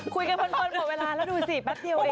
คุยกันเพลินหมดเวลาแล้วดูสิแป๊บเดียวเอง